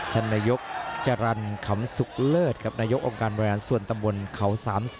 ท่านนายกจรรย์ขำสุขเลิศครับนายกองค์การบริหารส่วนตำบลเขา๓๐